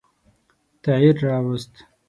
تغییر را ووست.